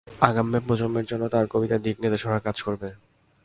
আগামী প্রজন্মের জন্য তাঁর কবিতা দিকনির্দেশনার কাজ করবে।